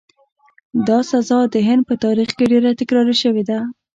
دا سزا د هند په تاریخ کې ډېره تکرار شوې ده.